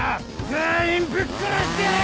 全員ぶっ殺してやる！